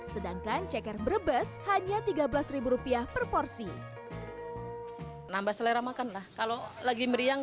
sedangkan ceker brebes hanya tiga belas rupiah per porsi nambah selera makan nah kalau lagi meriang